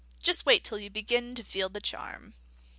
Just wait till you begin to feel the charm!"